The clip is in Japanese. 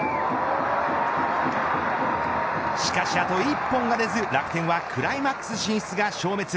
しかしあと１本が出ず楽天はクライマックス進出が消滅。